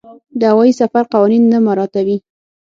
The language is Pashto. د هوايي سفر قوانین نه مراعاتوي.